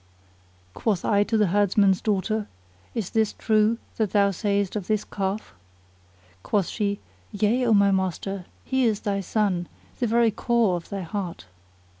Quoth I to the herdsman's daughter, "Is this true that thou sayest of this calf?" Quoth she, "Yea, O my master, he is thy son, the very core of thy heart."